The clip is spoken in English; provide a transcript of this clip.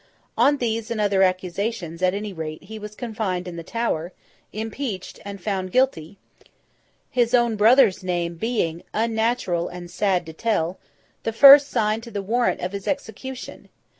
On these and other accusations, at any rate, he was confined in the Tower, impeached, and found guilty; his own brother's name being—unnatural and sad to tell—the first signed to the warrant of his execution.